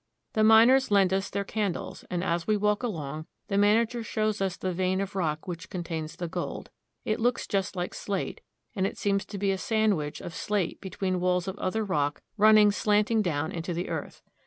The miners lend us their can dles, and, as we walk along, the manager shows us the vein of rock which contains the gold. It looks just like slate, and it seems to be a sandwich of slate between walls of other rock run ning slanting down into the earth.